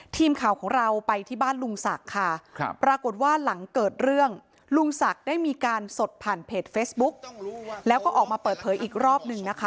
ทีมข่าวของเราไปที่บ้านลุงสักค่ะครับ